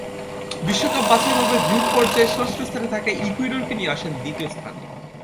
বিশ্বকাপ বাছাইপর্বের গ্রুপ পর্যায়ে ষষ্ঠ স্থানে থাকা ইকুয়েডরকে নিয়ে আসেন দ্বিতীয় স্থানে।